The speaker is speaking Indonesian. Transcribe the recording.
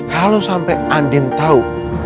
kalau sampai andien tau